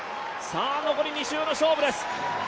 残り２周の勝負です。